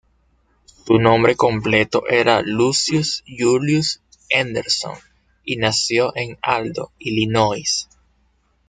Su nombre completo era Lucius Julius Henderson, y nació en Aldo, Illinois.